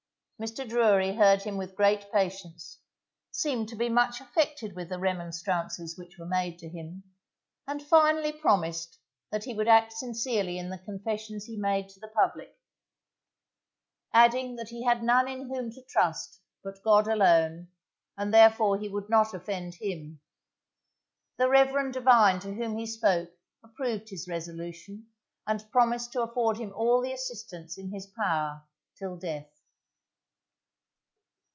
Mr. Drury heard him with great patience, seemed to be much affected with the remonstrances which were made to him, and finally promised that he would act sincerely in the confessions he made to the public; adding that he had none in whom to trust but God alone, and therefore he would not offend him. The reverend divine to whom he spoke approved his resolution, and promised to afford him all the assistance in his power till death.